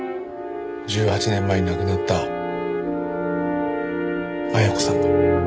１８年前に亡くなった恵子さんが。